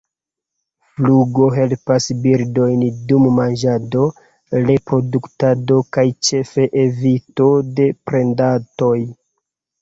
Flugo helpas birdojn dum manĝado, reproduktado kaj ĉefe evito de predantoj.